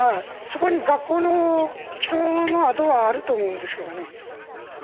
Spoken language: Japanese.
そこに学校の基礎の跡があると思うんですけどね。